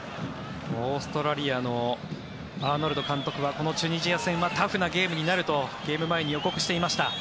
オーストラリアのアーノルド監督はこのチュニジア戦はタフなゲームになるとゲーム前に予告していました。